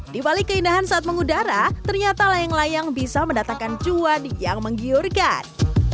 di balik keindahan saat mengudara ternyata layang layang bisa mendatangkan cuan yang menggiurkan